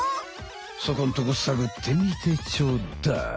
そこんとこさぐってみてちょうだい。